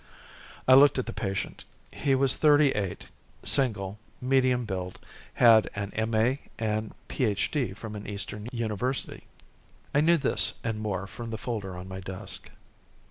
I looked at the patient. He was thirty eight, single, medium build, had an M.A. and Ph.D. from an eastern university. I knew this and more from the folder on my desk.